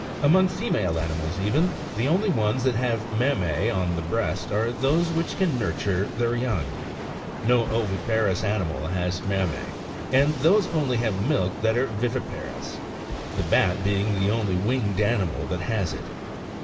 Among female animals even, the only ones that have mammseon the breast are those which can nurture their young. No oviparous animal has mammse, and those only have milk that are vivi parous ; the bat being the only winged animal that has it.